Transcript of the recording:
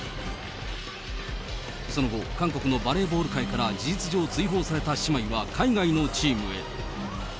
その後、韓国のバレーボール界から事実上追放された姉妹は海外のチームへ。